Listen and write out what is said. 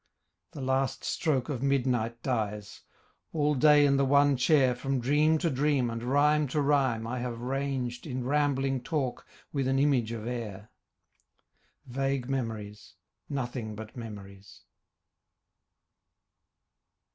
The last stroke of midnight dies. All day in the one chair From dream to dream and rhyme to rhyme I have ranged In rambling talk with an image of air: Vague memories, nothing but memories.